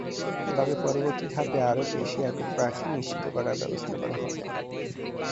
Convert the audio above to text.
তবে পরবর্তী ধাপে আরও বেশি একক প্রার্থী নিশ্চিত করার ব্যবস্থা করা হবে।